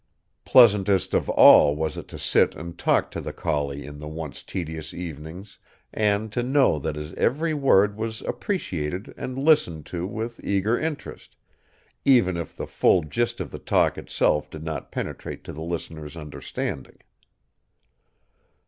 Pleasantest of all was it to sit and talk to the collie in the once tedious evenings, and to know that his every word was appreciated and listened to with eager interest, even if the full gist of the talk itself did not penetrate to the listener's understanding.